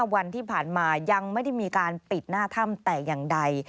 วันที่ผ่านมายังไม่ได้มีการปิดหน้าถ้ำแต่อย่างใด